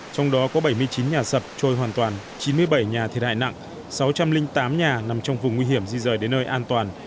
trong đó có bảy mươi chín nhà sập trôi hoàn toàn chín mươi bảy nhà thiệt hại nặng sáu trăm linh tám nhà nằm trong vùng nguy hiểm di rời đến nơi an toàn